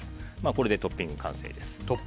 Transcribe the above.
これでトッピング完成です。